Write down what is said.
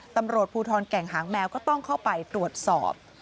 ตำรวจภูทรแก่งหางแมวก็ต้องเข้าไปตรวจสอบ